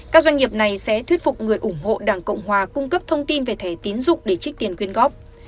các doanh nghiệp này sẽ thuyết phục người ủng hộ đảng cộng hòa cung cấp thông tin về thẻ tín dụng để trích tiền quyên góp